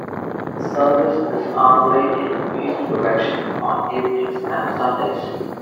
The service is hourly in each direction on evenings and Sundays.